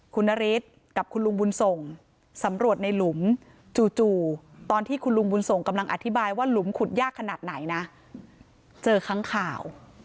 คุณนฤทธิ์กับคุณลุงบุญส่งสำรวจในหลุมจู่ตอนที่คุณลุงบุญส่งกำลังอธิบายว่าหลุมขุดยากขนาดไหนนะเจอครั้งข่าว